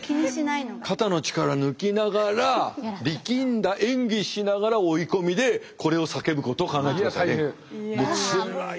肩の力抜きながら力んだ演技しながら追い込みでこれを叫ぶことを考えてください。